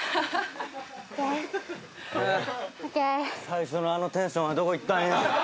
最初のあのテンションはどこ行ったんや⁉ＯＫ。